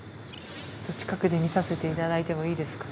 近くで見させて頂いてもいいですか？